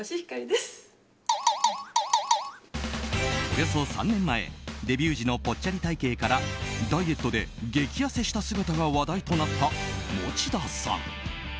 およそ３年前、デビュー時のぽっちゃり体形からダイエットで激やせした姿が話題となった餅田さん。